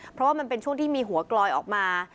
เพราะว่ามันเป็นช่วงที่มีหัวกลอยออกมา